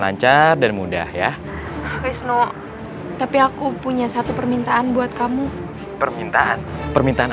lancar dan mudah ya wisno tapi aku punya satu permintaan buat kamu permintaan permintaan